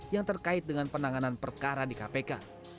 yang terkait dengan penanganan perkara di kpk